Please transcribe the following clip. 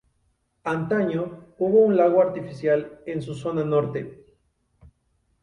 Antaño hubo un lago artificial en su zona norte.